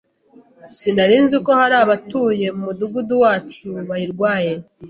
sinarinzi ko hari abatuye mu mudugudu wacu bayirwaye